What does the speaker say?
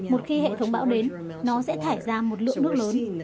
một khi hệ thống bão đến nó sẽ thải ra một lượng nước lớn